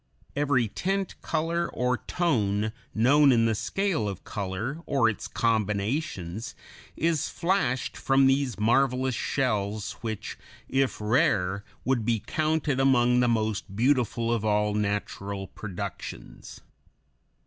Every tint, color, or tone known in the scale of color, or its combinations, is flashed from these marvelous shells, which, if rare, would be counted among the most beautiful of all natural productions.